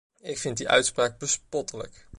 Ik vind die uitspraak bespottelijk.